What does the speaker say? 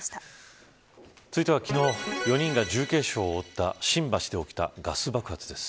続いては昨日４人が重軽傷を負った新橋で起きたガス爆発です。